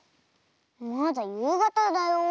まだゆうがただよ。